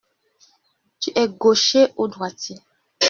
Tu es gaucher ou droitier?